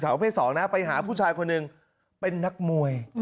ประเภท๒นะไปหาผู้ชายคนหนึ่งเป็นนักมวย